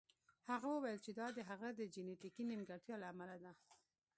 هغه وویل چې دا د هغه د جینیتیکي نیمګړتیا له امله ده